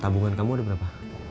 tabungan kamu ada berapa